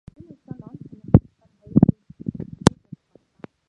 Энэ хугацаанд онц сонирхол татам хоёр үйл явдал боллоо.